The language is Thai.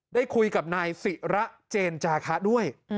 ได้คุยกับนายศิระเจนจาคะด้วย